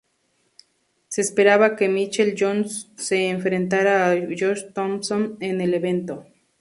Se esperaba que Michael Johnson se enfrentara a Josh Thomson en el evento.